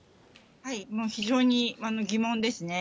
もう非常に疑問ですね。